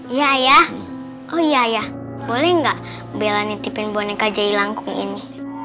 iya ya oh iya ya boleh gak bella nitipin boneka jaylangkung ini